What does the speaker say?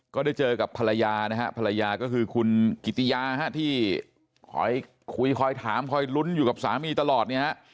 ก็ได้เจอกับภรรยานะฮะภรรยาก็คือคุณกิติยาที่คอยคุยคอยถามคอยลุ้นอยู่กับสามีตลอดเนี่ยฮะ